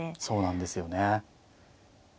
そうなんですよね。